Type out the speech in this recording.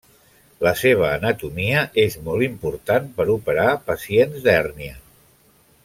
La seva anatomia és molt important per operar pacients d'hèrnia.